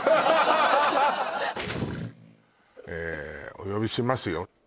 お呼びしますよ